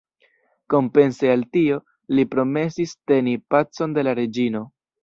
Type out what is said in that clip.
Kompense al tio, li promesis teni „pacon de la reĝino“.